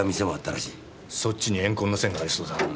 そっちに怨恨の線がありそうだな。